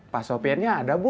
paswapiannya ada bu